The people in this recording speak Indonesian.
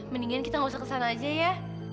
mendingan kita gak usah kesana aja ya